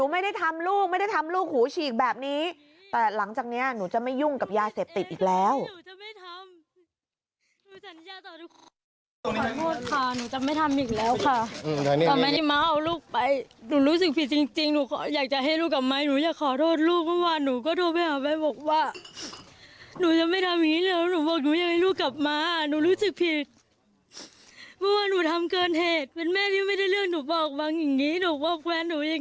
แม่ก็ต้องแยกจากการหลอกแต่ว่า